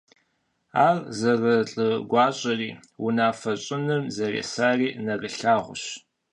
Ар зэрылӀыгуащӀэри, унафэ щӀыным зэресари нэрылъагъущ.